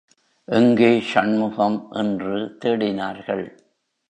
எங்கே ஷண்முகம்? என்று தேடினார்கள்.